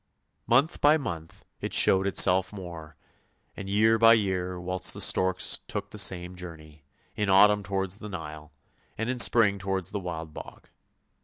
Month by month it showed itself more, and year by year whilst the storks took the same journey, in autumn towards the Nile, and in spring towards the Wild Bog.